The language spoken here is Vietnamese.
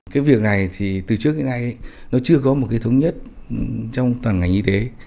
cái việc này thì từ trước đến nay nó chưa có một cái thống nhất trong toàn ngành y tế